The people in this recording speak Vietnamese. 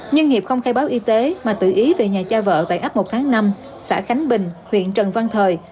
nhưng hiệp không khai báo y tế mà tự ý về nhà cho vợ tại ấp một tháng năm xã khánh bình huyện trần văn thời